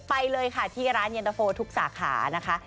ไปเลยค่ะที่ร้านเย็นตะโฟทุกสาขานะคะ